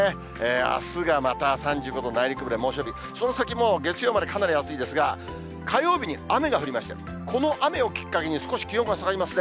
あすがまた３５度、内陸部で猛暑日、その先も月曜までかなり暑いですが、火曜日に雨が降りまして、この雨をきっかけに、少し気温が下がりますね。